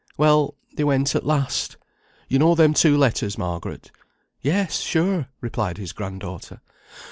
Well, they went at last. You know them two letters, Margaret?" "Yes, sure," replied his grand daughter.